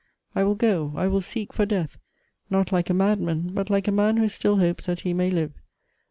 I will go ; I will seek for death ; not like a madman, but like a man who still hopes that he may live.